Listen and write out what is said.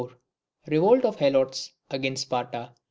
Revolt of the Helots against Sparta.